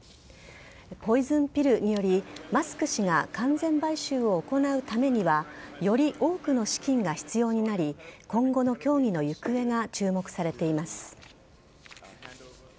ポイズンピルによりマスク氏が完全買収を行うためにはより多くの資金が必要になり今後の協議の行方が注目されています。